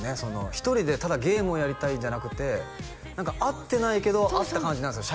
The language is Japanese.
１人でただゲームをやりたいんじゃなくて何か会ってないけど会った感じなんですよ